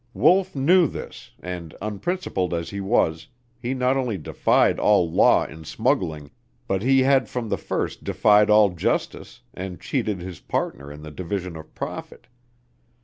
Wolf knew this and, unprincipled as he was, he not only defied all law in smuggling, but he had from the first defied all justice, and cheated his partner in the division of profit.